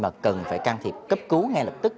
mà cần phải can thiệp cấp cứu ngay lập tức